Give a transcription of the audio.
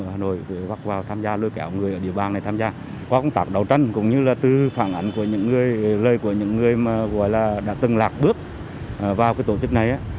nhiều phương ở hà nội gặp vào tham gia lưu kẹo người ở địa bàn này tham gia có công tác đấu tranh cũng như là từ phản ảnh của những người lời của những người mà gọi là đã từng lạc bước vào cái tổ chức này